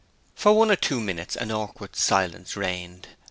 For one or two minutes an awkward silence reigned.